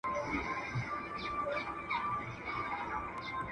سپینه واوره پاس په غره کوي ځلا